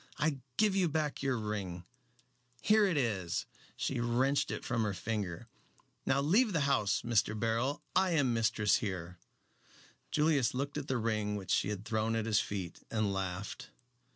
I give you back your ring here it is!" She wrenched it from her finger. "Now leave the house, Mr. Beryl. I am mistress here." Julius looked at the ring which she had thrown at his feet, and laughed.